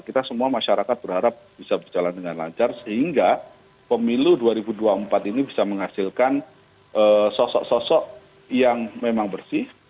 kita semua masyarakat berharap bisa berjalan dengan lancar sehingga pemilu dua ribu dua puluh empat ini bisa menghasilkan sosok sosok yang memang bersih